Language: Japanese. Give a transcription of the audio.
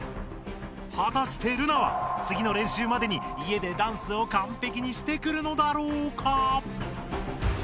はたしてルナはつぎの練習までにいえでダンスをかんぺきにしてくるのだろうか？